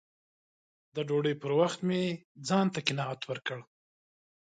د ډوډۍ پر وخت مې ځان ته قناعت ورکړ